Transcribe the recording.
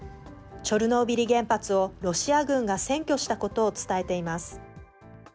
チョルノービリ原発をロシア軍が占拠したことを伝えています。